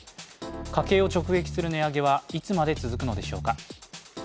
家計を直撃する値上げはいつまで続くのでしょうか。